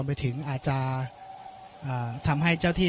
ไม่เป็นไรไม่เป็นไร